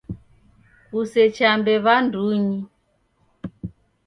Kusechambe w'andunyi!